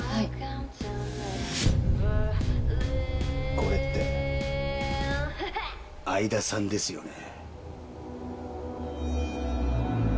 これって相田さんですよね？